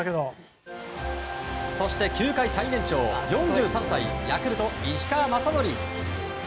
そして球界最年長、４３歳ヤクルト、石川雅規。